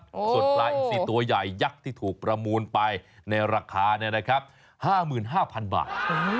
ส่วนปลาอีก๔ตัวใหญ่ยักษ์ที่ถูกประมูลไปในราคา๕๕หมื่นพันบาท